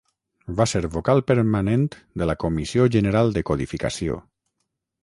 Va ser Vocal permanent de la Comissió General de Codificació.